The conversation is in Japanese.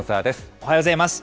おはようございます。